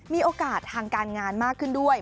มีโอกาสทางการงานมากขึ้นด้วย